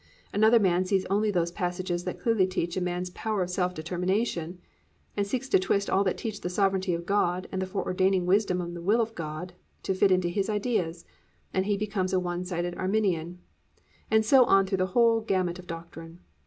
Another man sees only those passages that clearly teach man's power of self determination and seeks to twist all that teach the sovereignty of God and the foreordaining wisdom and will of God to fit into his ideas, and he becomes a one sided Arminian, and so on through the whole gamut of doctrine.